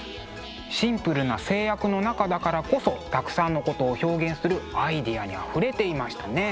シンプルな制約の中だからこそたくさんのことを表現するアイデアにあふれていましたね。